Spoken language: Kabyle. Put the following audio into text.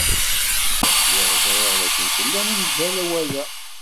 Lliɣ ẓriɣ dakken tellam mgal waya.